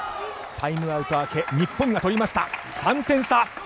タイムアウト明け日本が取りました、３点差。